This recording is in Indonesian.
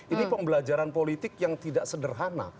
ini pembelajaran politik yang tidak sederhana